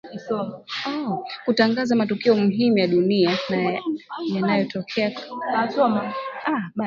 kutangaza matukio muhimu ya dunia na yanayotokea kanda ya Afrika Mashariki